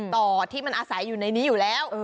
ต่อที่มันอาศัยอยู่ในนี้อยู่แล้ว